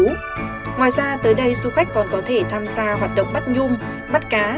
ngoài ra tới đây du khách còn có thể tham gia hoạt động bắt nhung bắt cá